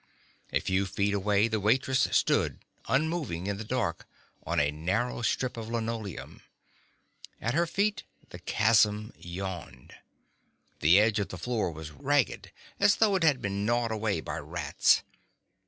A few feet away the waitress stood unmoving in the dark on a narrow strip of linoleum. At her feet the chasm yawned. The edge of the floor was ragged, as though it had been gnawed away by rats.